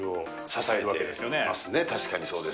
確かにそうです。